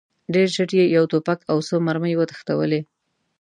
ډېر ژر یې یو توپک او څو مرمۍ وتښتولې.